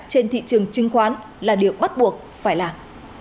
trên thị trường chứng khoán là điều bắt buộc phải làm